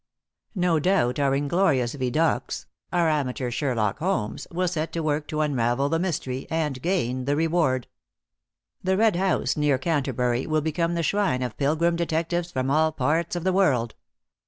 No doubt our inglorious Vidocques, our amateur Sherlock Holmes, will set to work to unravel the mystery and gain the reward. The Red House, near Canterbury, will become the shrine of pilgrim detectives from all parts of the world.